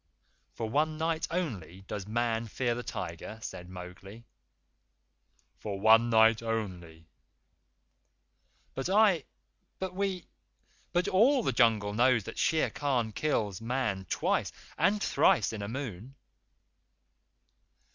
"For one night only does Man fear the Tiger?" said Mowgli. "For one night only," said Hathi. "But I but we but all the Jungle knows that Shere Khan kills Man twice and thrice in a moon."